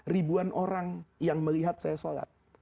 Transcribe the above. ribuan orang yang melihat saya sholat